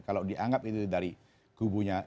kalau dianggap itu dari kubunya